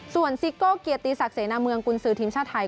ส่วนซิโก้เกียรติศักดิเสนาเมืองกุญสือทีมชาติไทย